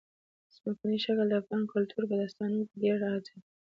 ځمکنی شکل د افغان کلتور په داستانونو کې ډېره راځي.